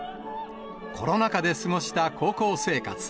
コロナ禍で過ごした高校生活。